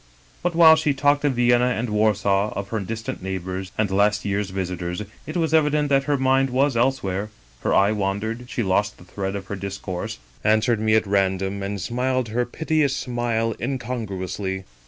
" But while she talked of Vienna and Warsaw, of her distant neighbors, and last year's visitors, it was evident that her mind was elsewhere; her eye wandered, she lost the thread of her discourse, answered me at random, and smiled her piteous smile incongruously.